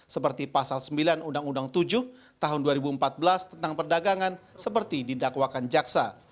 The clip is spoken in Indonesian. seperti pasal sembilan undang undang tujuh tahun dua ribu empat belas tentang perdagangan seperti didakwakan jaksa